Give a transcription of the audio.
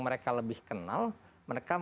mereka lebih kenal mereka